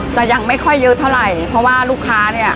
ยังไม่ค่อยเยอะเท่าไหร่เพราะว่าลูกค้าเนี่ย